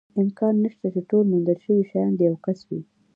امکان نشته، چې ټول موندل شوي شیان د یوه کس وي.